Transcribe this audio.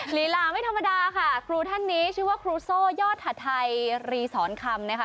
ลีลาไม่ธรรมดาค่ะครูท่านนี้ชื่อว่าครูโซ่ยอดหัดไทยรีสรคำนะคะ